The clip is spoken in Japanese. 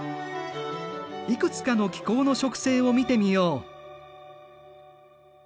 いくつかの気候の植生を見てみよう。